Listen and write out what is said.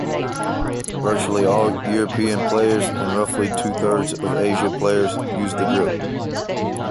Virtually all European players and roughly two thirds of Asian players use this grip.